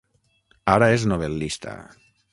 Ara és novel·lista.